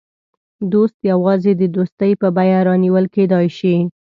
دوست یوازې د دوستۍ په بیه رانیول کېدای شي.